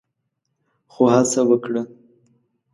خو هڅه وکړه